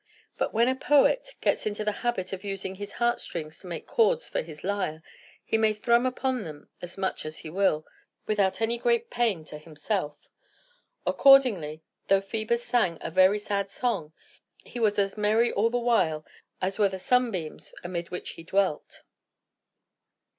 But when a poet gets into the habit of using his heartstrings to make chords for his lyre, he may thrum upon them as much as he will, without any great pain to himself. Accordingly, though Phœbus sang a very sad song, he was as merry all the while as were the sunbeams amid which he dwelt.